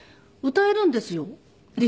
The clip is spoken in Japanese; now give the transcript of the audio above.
「歌えるんですよ」だって。